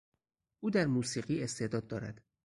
او در موسیقی استعداد دارد.